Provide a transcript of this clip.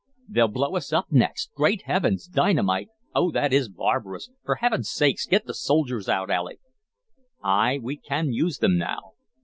"They'll blow us up next. Great Heavens! Dynamite! Oh, that is barbarous. For Heaven's sake, get the soldiers out, Alec." "Ay, we can use them now."